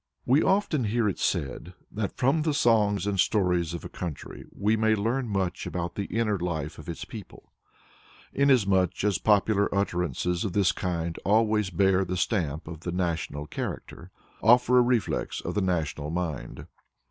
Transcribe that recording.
We often hear it said, that from the songs and stories of a country we may learn much about the inner life of its people, inasmuch as popular utterances of this kind always bear the stamp of the national character, offer a reflex of the national mind.